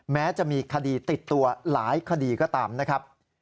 แม้จะมีคดีติดตัวหลายคดีก็ตามนะครับ